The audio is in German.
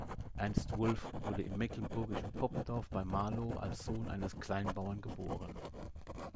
Ernst Wulf wurde im mecklenburgischen Poppendorf bei Marlow als Sohn eines Kleinbauern geboren.